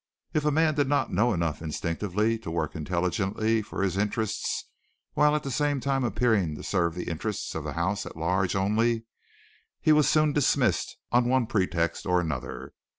If a man did not know enough instinctively to work intelligently for his interests, while at the same time appearing to serve the interests of the house at large only, he was soon dismissed on one pretext or another.